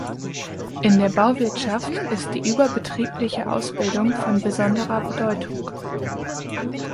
In der Bauwirtschaft ist die überbetriebliche Ausbildung von besonderer Bedeutung.